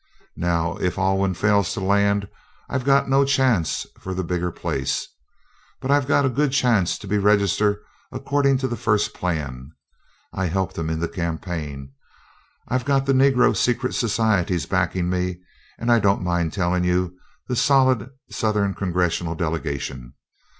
Now, if Alwyn fails to land I've got no chance for the bigger place, but I've got a good chance to be Register according to the first plan. I helped in the campaign; I've got the Negro secret societies backing me and I don't mind telling you the solid Southern Congressional delegation.